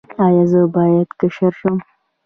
ایا زه باید کشر شم؟